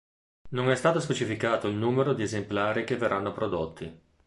Non è stato specificato il numero di esemplari che verranno prodotti.